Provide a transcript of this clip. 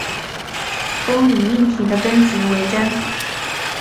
公理命题的真值为真。